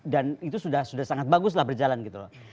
dan itu sudah sangat baguslah berjalan gitu loh